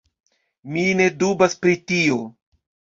Mi ne dubas pri tio.